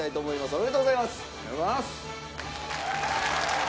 ありがとうございます！